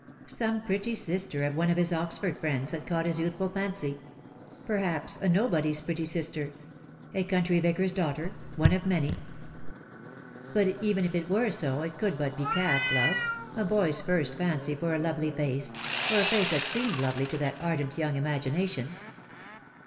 Some pretty sister of one of his Oxford friends had caught his youthful 64 DEAD LOVE HAS CHAINS. fancy; perhaps a nobody's pretty sister; a country vicar's daughter, one of many. But even if it were so it could but be calf love, a boy's first fancy for a lovely face, or a face that seemed lovely to that ardent young imagination.